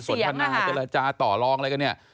ช่วงมีการสนทนาเจรจาต่อรองอะไรกันเนี่ย